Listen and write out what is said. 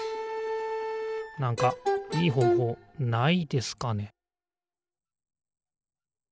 なんかいいほうほうないですかね